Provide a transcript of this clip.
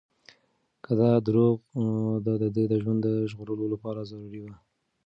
خو دا دروغ د ده د ژوند د ژغورلو لپاره ضروري وو.